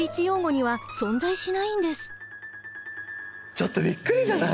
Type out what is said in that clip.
ちょっとびっくりじゃない？